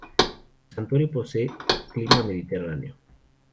El santuario posee clima mediterráneo.